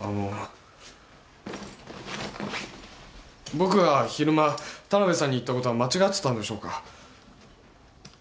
あの僕が昼間田辺さんに言ったことは間違っていたんでしょうか？